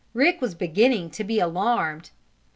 Rick was beginning to be alarmed.